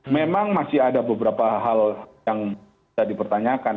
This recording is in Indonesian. memang masih ada beberapa hal yang bisa dipertanyakan